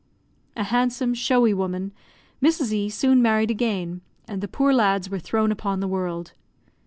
A handsome, showy woman, Mrs. E soon married again; and the poor lads were thrown upon the world.